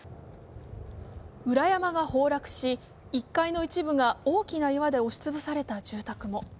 裏山が崩落し、１階の一部が大きな岩で押しつぶされた住宅も。